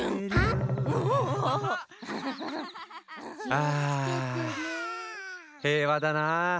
ああへいわだなあ。